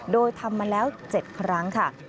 โดยทำมาแล้ว๗ครั้งค่ะ